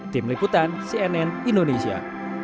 tim liputan cnn indonesia